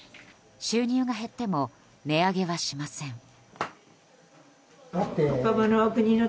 収入が減っても値上げはしません。